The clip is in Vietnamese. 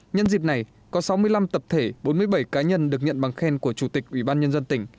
nhân dịp này có sáu mươi năm tập thể bốn mươi bảy cá nhân được nhận bằng khen của chủ tịch ủy ban nhân dân tỉnh